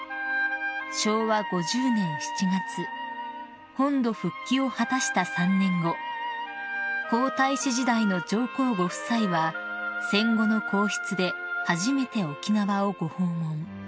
［昭和５０年７月本土復帰を果たした３年後皇太子時代の上皇ご夫妻は戦後の皇室で初めて沖縄をご訪問］